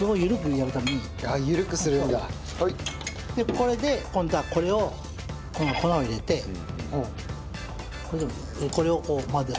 これで今度はこれをこの粉を入れてこれをこう混ぜる。